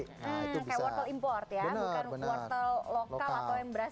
kayak wortel import ya bukan kuartal lokal atau yang beras